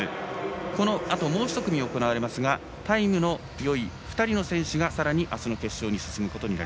このあと、もう１組行われますがタイムのいい２人の選手がさらにあすの決勝に進みます。